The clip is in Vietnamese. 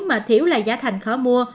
mà thiếu là giá thành khó mua